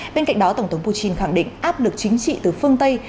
bên cạnh đó tổng thống putin khẳng định áp lực chính trị từ phương tây